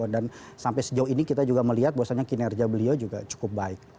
dan sampai sejauh ini kita juga melihat bahwasannya kinerja beliau juga cukup baik